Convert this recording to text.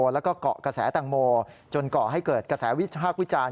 แล้วก็เกาะกระแสแตงโมจนก่อให้เกิดกระแสวิพากษ์วิจารณ์